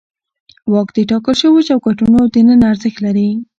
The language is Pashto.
واک د ټاکل شوو چوکاټونو دننه ارزښت لري.